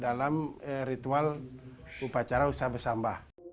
dalam ritual upacara usaha bersamba